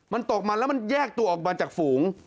มันตกมาแล้วมันแยกตัวออกมาจากฝูง